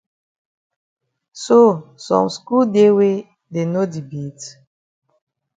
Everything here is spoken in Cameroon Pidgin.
So some skul dey wey dey no di beat?